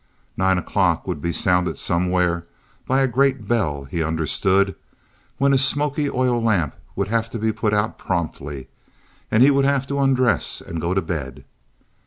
Nine o'clock would be sounded somewhere by a great bell, he understood, when his smoky oil lamp would have to be put out promptly and he would have to undress and go to bed.